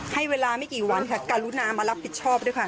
ให้เวลาไม่กี่วันค่ะการุนามารับผิดชอบด้วยค่ะ